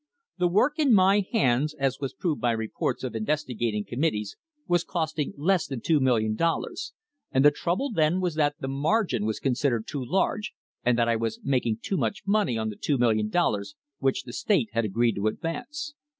The work in my hands, as was proved by reports of investigating committees, was costing less than $2,000,000, and the trouble then was that the margin was considered too large, and that I was making too much money on the $2,000,000, which the state had agreed to advance.